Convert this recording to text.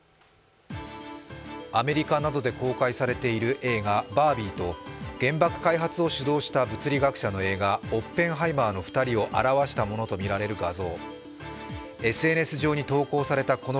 アメリカなどで公開されている映画「バービー」と原爆開発を主導した物理学者の映画「オッペンハイマー」の２人を表したものと見られる映像。